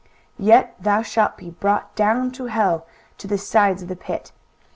23:014:015 Yet thou shalt be brought down to hell, to the sides of the pit.